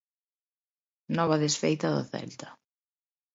Nova desfeita do Celta.